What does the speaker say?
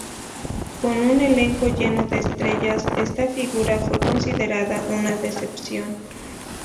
Con un elenco lleno de estrellas, esta figura fue considerada una decepción.